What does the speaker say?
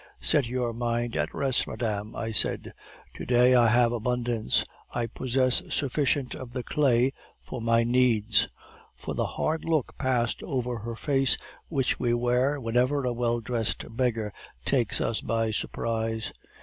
Set your mind at rest, madame,' I said; 'to day I have abundance, I possess sufficient of the clay for my needs'; for the hard look passed over her face which we wear whenever a well dressed beggar takes us by surprise.